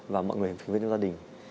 và mọi người phía bên trong gia đình